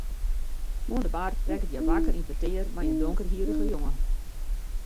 Oan de bar rekket hja wakker yn petear mei in donkerhierrige jonge.